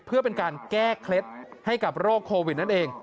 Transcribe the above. เพื่อเป็นการแก้เคล็ดให้กับโรคโควิดนั่นเอง